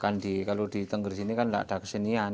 jadi kalau di tengger sini kan nggak ada kesenian